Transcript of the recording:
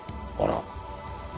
あら！